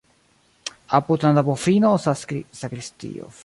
Apud la navofino sakristio aliĝas.